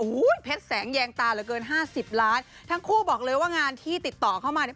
โอ้โหเพชรแสงแยงตาเหลือเกินห้าสิบล้านทั้งคู่บอกเลยว่างานที่ติดต่อเข้ามาเนี่ย